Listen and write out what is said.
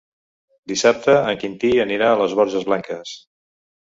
Dissabte en Quintí anirà a les Borges Blanques.